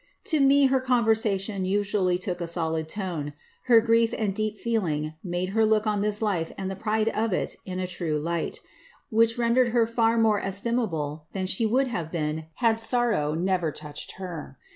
To me her conversation usually took a solid tone; her grief and deep feeling made her look on this life and the pride of it in a true light, which rendered her far more estimable than she would have been had sorrow never touched her.